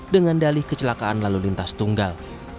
dengan dalih kecelakaan lalu lintas tunggal